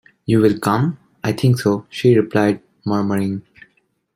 “You will come?” “I think so,” she replied, murmuring.